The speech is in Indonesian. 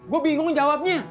gue bingung jawabnya